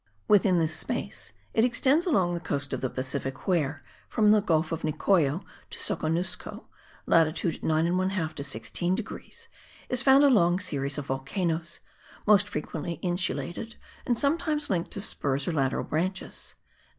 Within this space it extends along the coast of the Pacific where, from the gulf of Nicoya to Soconusco (latitude 9 1/2 to 16 degrees) is found a long series of volcanoes,* most frequently insulated, and sometimes linked to spurs or lateral branches.